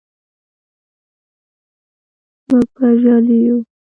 موږ بریالي یو.